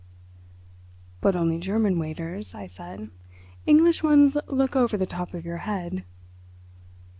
"But only German waiters," I said. "English ones look over the top of your head."